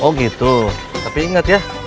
oh gitu tapi ingat ya